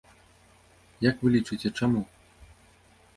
Як вы лічыце, чаму?